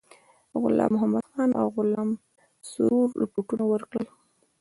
غلام محمدخان او غلام سرور رپوټونه ورکړل.